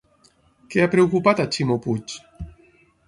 Què ha preocupat a Ximo Puig?